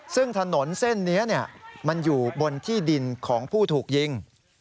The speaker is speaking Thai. ซึ่งถนนเส้นนี้มันอยู่บนที่ดินของผู้ถูกยิง